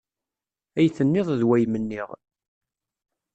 Ay tenniḍ d way m-nniɣ.